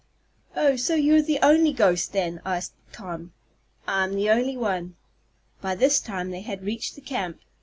"Oh, so you're the only ghost then?" asked Tom. "I'm the only one." By this time they had reached the camp.